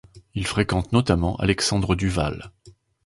Il fréquente notamment Alexandre Duval.